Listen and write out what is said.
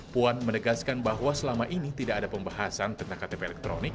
puan menegaskan bahwa selama ini tidak ada pembahasan tentang ktp elektronik